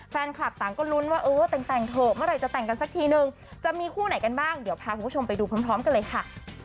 แฟนคลับต่างก็ลุ้นว่าเออแต่งเถอะเมื่อไหร่จะแต่งกันสักทีนึงจะมีคู่ไหนกันบ้างเดี๋ยวพาคุณผู้ชมไปดูพร้อมกันเลยค่ะ